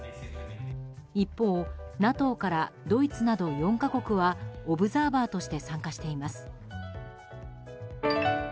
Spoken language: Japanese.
一方、ＮＡＴＯからドイツなど４か国はオブザーバーとして参加しています。